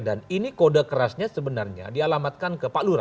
dan ini kode kerasnya sebenarnya dialamatkan ke pak lura